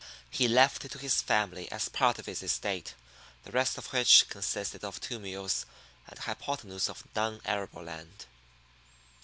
He left it to his family as part of his estate, the rest of which consisted of two mules and a hypotenuse of non arable land.